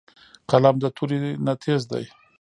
قلم د تورې نه تېز دی